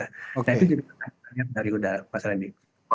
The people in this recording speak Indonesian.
nah itu juga kita lihat dari udara mas randi